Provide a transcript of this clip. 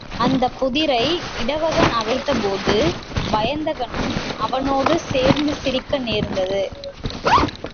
அந்தப் புதிரை இடவகன் அவிழ்த்தபோது வயந்தகனும் அவனோடு சேர்ந்து சிரிக்க நேர்ந்தது.